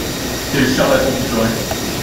Quel charlatan tu ferais !…